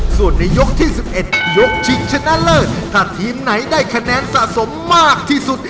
ส่วนในยกที่๑๑ยกชิงชนะเลิศถ้าทีมไหนได้คะแนนสะสมมากที่สุด